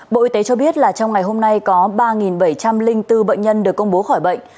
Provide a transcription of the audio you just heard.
bộ y tế cho biết là trong ngày hôm nay có ba bảy trăm linh bốn bệnh nhân được công bố khỏi bệnh